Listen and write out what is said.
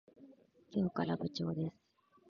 今日から部長です。